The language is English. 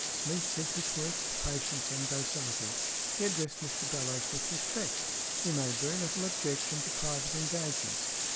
Smeath did his work with patience and docility. He addressed Mr Bellowes with respect. He made very little objection to private engagements.